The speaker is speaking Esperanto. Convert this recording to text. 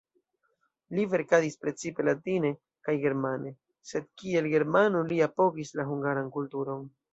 Li verkadis precipe latine kaj germane, sed kiel germano, li apogis la hungaran kulturon.